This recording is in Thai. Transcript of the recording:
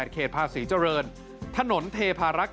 เขตภาษีเจริญถนนเทพารักษ